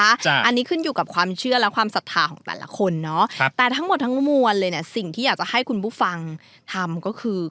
อันนี้ขึ้นอยู่กับความเชื่อและความศรัทธาของแต่ละคนเนาะแต่ทั้งหมดทั้งมวลเลยเนี่ยสิ่งที่อยากจะให้คุณผู้ฟังทำก็คือ